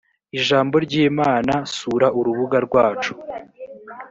ijambo ry imana sura urubuga rwacu